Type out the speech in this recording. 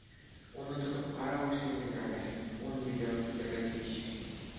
Уны тотоп ҡарау өсөн генә лә һин ун миллион түләргә тейешһең!